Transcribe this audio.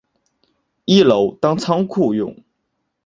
一楼当仓库用